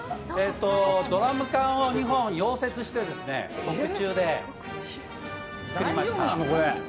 ドラム缶を２本溶接して、特注で作りました。